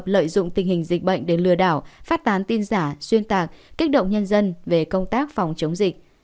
lừa đảo phát tán tin giả xuyên tạc kích động nhân dân về công tác phòng chống dịch